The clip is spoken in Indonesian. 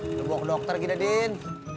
kita bawa ke dokter kita din